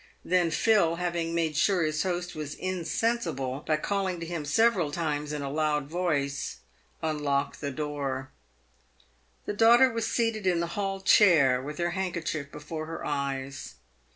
Then Phil, having made sure his host was insensible, by calling to him several times in a loud voice, unlocked the door. The daughter was seated in the hall chair with her handkerchief before her eyes.